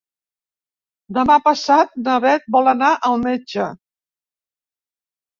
Demà passat na Bet vol anar al metge.